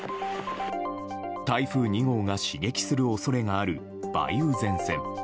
台風２号が刺激する恐れがある梅雨前線。